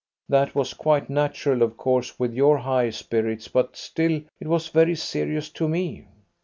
That was quite natural of course with your high spirits, but still it was very serious to me.